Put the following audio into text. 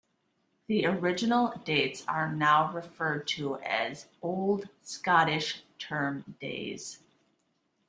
The original dates are now referred to as "Old Scottish Term Days".